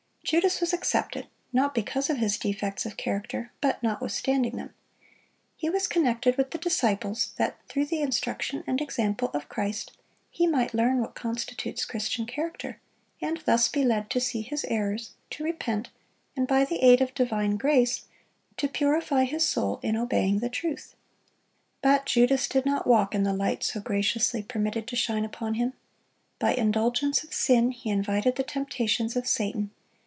Judas was accepted, not because of his defects of character, but notwithstanding them. He was connected with the disciples, that, through the instruction and example of Christ, he might learn what constitutes Christian character, and thus be led to see his errors, to repent, and by the aid of divine grace, to purify his soul "in obeying the truth." But Judas did not walk in the light so graciously permitted to shine upon him. By indulgence in sin, he invited the temptations of Satan.